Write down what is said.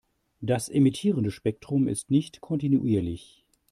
Das emittierte Spektrum ist nicht kontinuierlich.